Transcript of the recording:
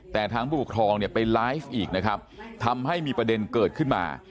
แต่ทางผู้ปกครองเนี่ยไปไลฟ์อีกนะครับทำให้มีประเด็นเกิดขึ้นมา